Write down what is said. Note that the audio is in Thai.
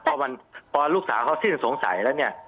พอลูกสาวเขาสิ้นสงสัยแล้วเนี่ย